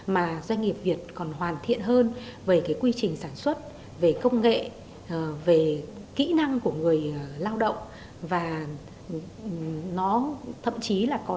mà doanh nghiệp việt còn hoàn thiện hơn về quy trình sản xuất về công nghệ về kỹ năng của người doanh nghiệp